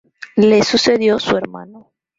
Le sucedió su hermano.